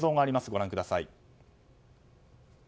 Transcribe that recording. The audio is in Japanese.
ご覧ください。